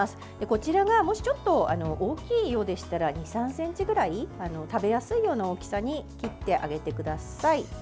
こちらがもしちょっと大きいようでしたら２３ｃｍぐらい食べやすいような大きさに切ってあげてください。